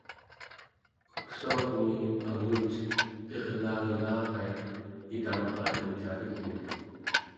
uksuarmi angutet pirlaalilarait ikamrateng cavignek